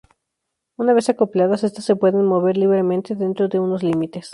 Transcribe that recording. Una vez acopladas estas se pueden mover libremente dentro de unos límites.